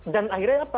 dan akhirnya apa